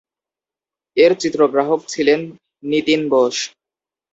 এর চিত্রগ্রাহক ছিলেন নিতিন বোস।